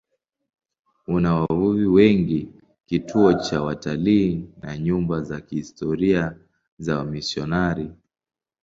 Una wavuvi wengi, kituo cha watalii na nyumba za kihistoria za wamisionari.